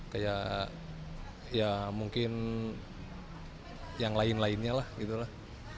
kayak ya mungkin yang lain lainnya lah gitu lah